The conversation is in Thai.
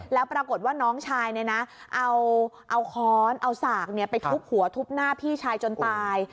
แล้วปรากฏว่าน้องชายเนี่ยนะเอาค้อนเอาสากไปทุบหัวทุบหน้าพี่ชายจนตาย